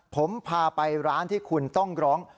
ผมพาไปร้านที่คุณต้องร้อง